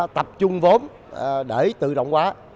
tập trung vốn để tự động hóa